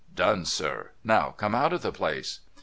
' Done, sir. Now, come out of the place.'